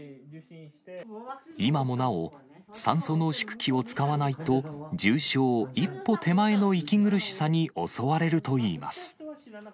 今もなお酸素濃縮器を使わないと、重症一歩手前の息苦しさに襲われるといいます。